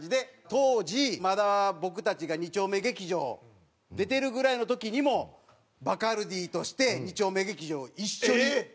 当時まだ僕たちが２丁目劇場出てるぐらいの時にもうバカルディとして２丁目劇場一緒に。